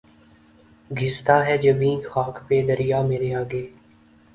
گھستا ہے جبیں خاک پہ دریا مرے آگے